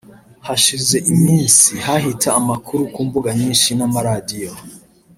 Hashize iminsi hahita amakuru ku mbuga nyinsi n’amaradiyo